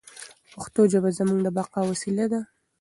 پښتو ژبه زموږ د بقا وسیله ده.